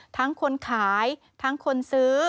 ทั้งคนขายทั้งคนซื้อ